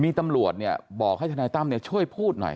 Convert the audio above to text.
มีตำรวจเนี่ยบอกให้ทนายตั้มเนี่ยช่วยพูดหน่อย